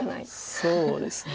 そうですね。